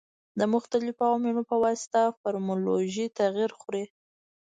د مختلفو عواملو په واسطه مورفولوژي تغیر خوري.